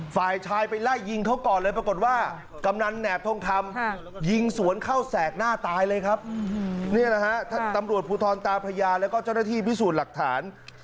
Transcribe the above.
ฝ่ายชายไปไล่ยิงเขาก่อนเลยปรากฏว่ากำนันแหนบทองคำ